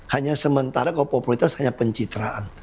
hanya sementara kalau populitas hanya pencitraan